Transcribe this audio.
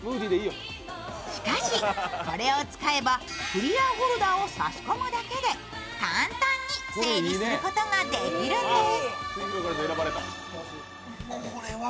しかし、これを使えば、クリアホルダーを差し込むだけで簡単に整理することができるんです。